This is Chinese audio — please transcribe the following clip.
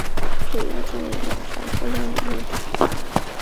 主要作为暖房或料理用途。